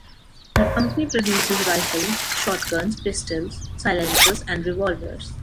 The company produces rifles, shotguns, pistols, silencers and revolvers.